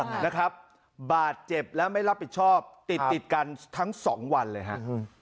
นะครับบาดเจ็บและไม่รับผิดชอบติดติดกันทั้งสองวันเลยฮะ